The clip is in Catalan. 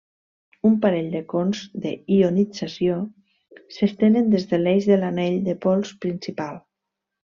Un parell de cons de ionització s'estenen des de l'eix de l'anell de pols principal.